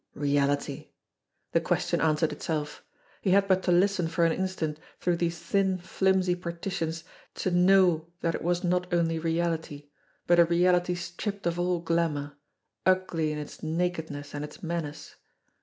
Reality ! The question answered itself. He had but to listen for an instant through these thin, flimsy partitions to know that it was not only reality, but a reality stripped of all glamour, ugly in its nakedness and its menace.